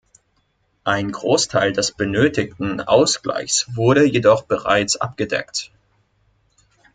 Ein Großteil des benötigten Ausgleichs wurde jedoch bereits abgedeckt.